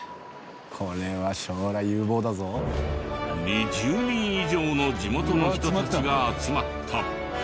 ２０人以上の地元の人たちが集まった。